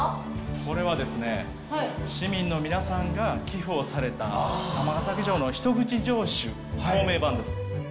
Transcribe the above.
これはですね市民の皆さんが寄付をされた尼崎城の一口城主の銘板です。